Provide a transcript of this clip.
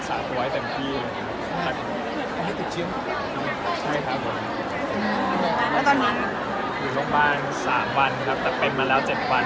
ช่วยบ้าน๓วันครับแต่เป็นมาแล้ว๗วัน